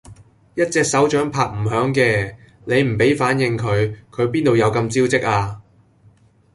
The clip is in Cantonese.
一隻手掌拍唔響嘅，你唔俾反應佢，佢邊度有咁招積呀？